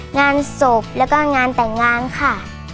งานศพแล้วก็งานแต่งงานค่ะ